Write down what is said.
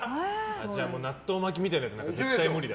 じゃあ納豆巻きみたいなやつ絶対無理だ。